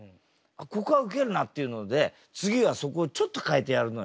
「ここはウケるな」っていうので次はそこをちょっと変えてやるのよ。